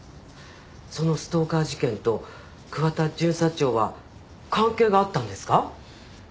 そのストーカー事件と桑田巡査長は関係があったんですか？